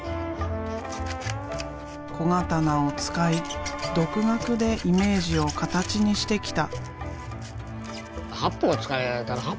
小刀を使い独学でイメージを形にしてきた。